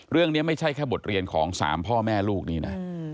เรื่องนี้ไม่ใช่แค่บทเรียนของสามพ่อแม่ลูกนี้นะ